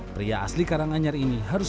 pria asli karanganyar ini harus